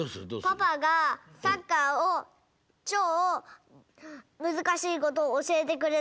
パパがサッカーをちょうむずかしいことをおしえてくれたとき。